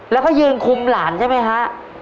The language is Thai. แล้วก็ยืนคุมหลานใช่ไหมฮะ